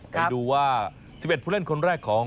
ไปดูว่า๑๑ผู้เล่นคนแรกของ